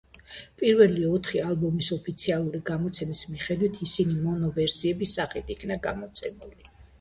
პირველი ოთხი ალბომის ოფიციალური გამოცემის მიხედვით, ისინი მონო ვერსიების სახით იქნა გამოცემული.